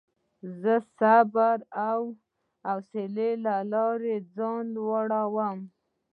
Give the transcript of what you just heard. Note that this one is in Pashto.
زه د صبر او حوصلې له لارې ځان لوړوم.